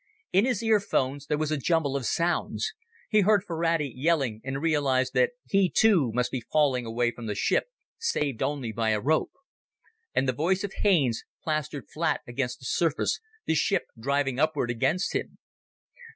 In his earphones there was a jumble of sounds. He heard Ferrati yelling and realized that he, too, must be falling away from the ship, saved only by a rope. And the voice of Haines plastered flat against the surface, the ship driving upward against him.